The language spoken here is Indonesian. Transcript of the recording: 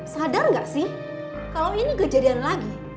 sadar nggak sih kalau ini kejadian lagi